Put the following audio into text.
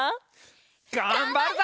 がんばるぞ！